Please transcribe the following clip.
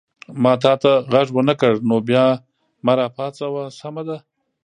ما تا ته غږ ونه کړ نو بیا ما را پاڅوه، سمه ده؟